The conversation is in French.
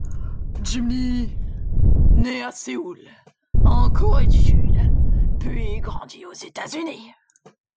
Jim Lee naît à Séoul, en Corée du Sud puis grandit aux États-Unis.